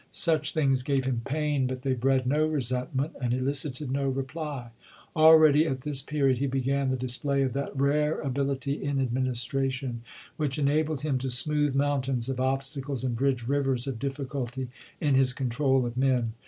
Such things gave him pain, but they bred no resentment, and elicited no reply. Already at this period he began the display of that rare ability in adminis tration which enabled him to smooth mountains of obstacles and bridge rivers of difficulty in his con trol of men.